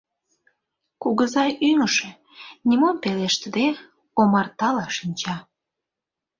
Кугызай ӱҥышӧ, нимом пелештыде, омартала шинча.